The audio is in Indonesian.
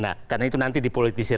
nah karena itu nanti dipolitisir